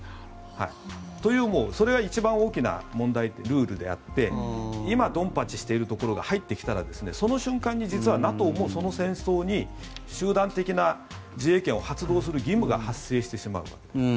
というそれが一番大きなルールであって今、ドンパチしているところが入ってきたらその瞬間に実はＮＡＴＯもその戦争に集団的自衛権を発動する義務が発生してしまう。